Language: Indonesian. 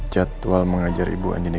jadwal mengajar ibu andini